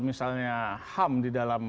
misalnya ham di dalam